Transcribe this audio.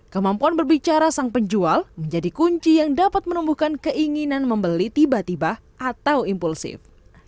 kemampuan berbicara sang penjual menjadi kunci yang dapat menumbuhkan keinginan membeli tiba tiba atau impulsif